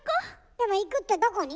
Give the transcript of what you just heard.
でも行くってどこに？